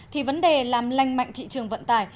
thì vấn đề làm lành mạnh thị trường vận tải